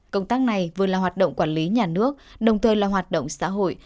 công tác này vừa là hoạt động quản lý nhà nước đồng thời là hoạt động xã hội